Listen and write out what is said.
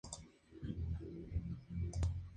Acto seguido se marcharon.